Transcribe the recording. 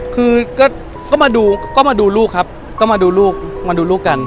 คือก็มาดูลูกครับก็มาดูลูกกัน